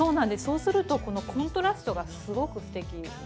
そうするとこのコントラストがすごくすてきです。